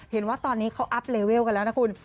เห็นว่าตอนนี้เขาอัพเลเวลกันแล้วนะคุณ